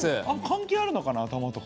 関係あるのかな頭とかって。